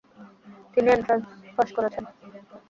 তিনি entrance pass করেন।